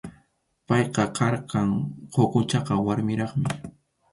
Payqa karqan kʼuku chaka warmiraqmi.